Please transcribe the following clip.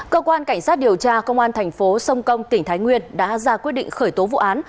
cơ quan cảnh sát điều tra công an thành phố sông công tỉnh thái nguyên đã ra quyết định khởi tố vụ án